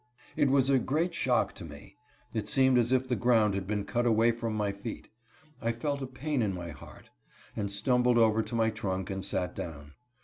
It was a great shock to me. It seemed as if the ground had been cut away from my feet. I felt a pain in my heart, and stumbled over to my trunk and sat down.